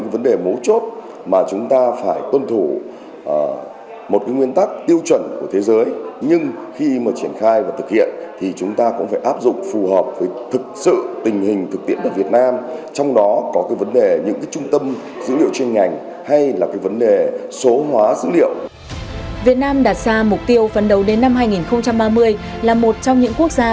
việt nam đặt ra mục tiêu phấn đấu đến năm hai nghìn ba mươi là một trong những quốc gia